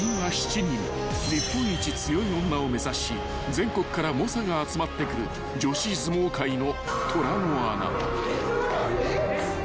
［全国から猛者が集まってくる女子相撲界の］